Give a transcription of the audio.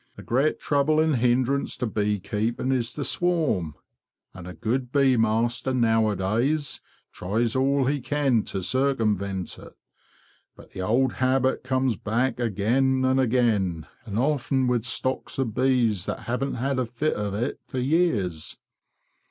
The great trouble and hindrance to bee keeping is the swarm, and a good bee master nowadays tries all he can to circumvent it. But the old habit comes back again and again, and often with stocks of bees that haven't had a fit o' it for years.